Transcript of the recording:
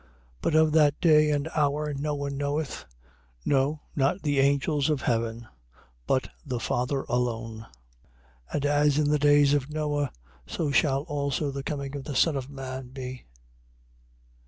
But of that day and hour no one knoweth: no, not the angels of heaven, but the Father alone. 24:37. And as in the days of Noe, so shall also the coming of the Son of man be.